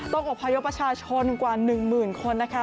ต้องอบพยพชาชนกว่า๑หมื่นคนนะคะ